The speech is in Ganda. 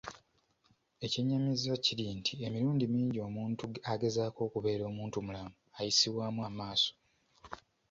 Ekyennyamiza kiri nti emirundi mingi omuntu agezaako okubeera omuntumulamu ayisibwamu amaaso.